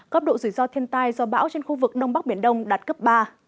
cấp độ rủi ro thiên tai do bão trên khu vực đông bắc biển đông đạt cấp ba